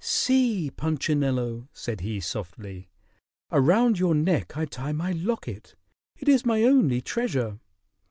"See, Punchinello," said he softly, "around your neck I tie my locket. It is my only treasure.